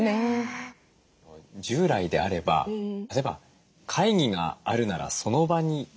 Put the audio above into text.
従来であれば例えば会議があるならその場に行く。